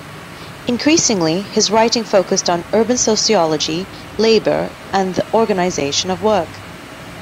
Increasingly, his writing focused on urban sociology, labour, and the organisation of work.